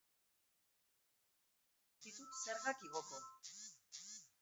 Ez ditut zergak igoko.